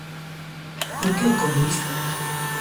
Por que ocorre isto?